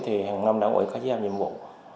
hàng năm đảng quỹ có giao nhiệm vụ